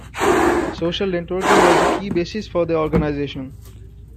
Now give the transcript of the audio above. Social networking was the key basis for the organization.